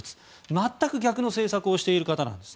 全く逆の政策をしている方なんです。